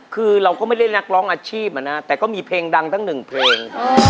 คือเราก็ไม่ได้นักร้องอาชีพแต่ก็มีเพลงดังตั้งหนึ่งเพลง